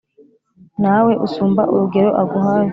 Nawe usumba urugero aguhaye